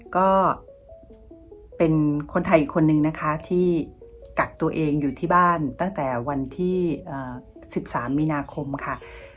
ก็เป็นคนไทยอีกคนนึงนะคะที่กักตัวเองอยู่ที่บ้านตั้งแต่วันที่๑๓มีนาคมค่ะ